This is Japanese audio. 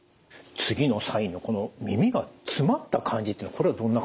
次のサインのこの耳が詰まった感じというのはこれはどんな感じなんですか？